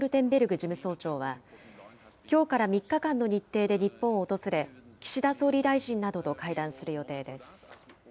事務総長は、きょうから３日間の日程で日本を訪れ、岸田総理大臣などと会談する予定です。